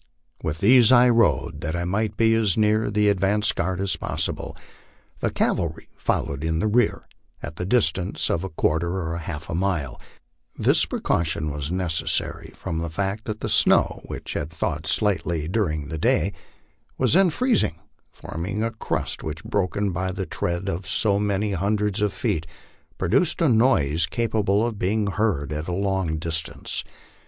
With these I rode, that I might be as near the advance guard as possible. The cavalry followed in rear, at the distance of a quarter or half a mile; this precaution was necessary, from the fact that the snow, which had thawed slightly during the day, was then freezing, forming a crust which, broken by the tread of so many hundreds of feet, produced a noise capable of being heard at a long distance.